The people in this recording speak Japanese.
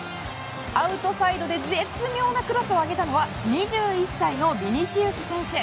アウトサイドで絶妙なクロスを上げたのは２１歳のヴィニシウス選手。